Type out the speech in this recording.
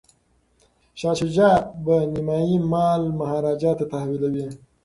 شاه شجاع به نیمایي مال مهاراجا ته تحویلوي.